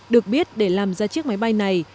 được biết để làm ra chiếc máy bay này